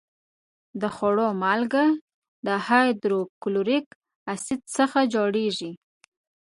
د خوړو مالګه د هایدروکلوریک اسید څخه جوړیږي.